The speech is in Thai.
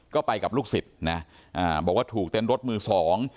ก็ไปกับลูกศิษย์นะอ่าบอกว่าถูกเต้นรถมือสอง